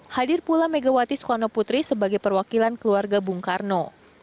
hadir pula megawati soekarno putri sebagai perwakilan keluarga bung karno